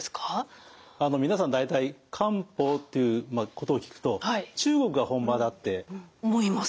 皆さん大体漢方ということを聞くと中国が本場だって。思います。